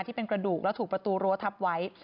ที่เป็นกระดูกแล้วถูกประตูรั้วทับไว้